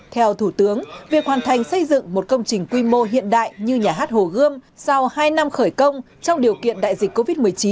theo thủ tướng việc hoàn thành xây dựng một công trình quy mô hiện đại như nhà hát hồ gươm sau hai năm khởi công trong điều kiện đại dịch covid một mươi chín